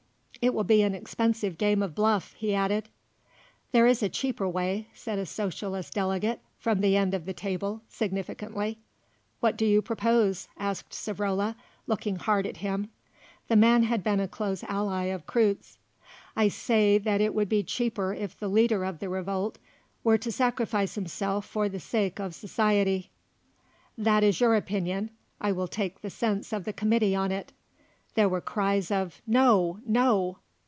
"It will be an expensive game of bluff," he added. "There is a cheaper way," said a Socialist delegate from the end of the table, significantly. "What do you propose?" asked Savrola looking hard at him; the man had been a close ally of Kreutze. "I say that it would be cheaper if the leader of the revolt were to sacrifice himself for the sake of Society." "That is your opinion; I will take the sense of the Committee on it." There were cries of "No! No!"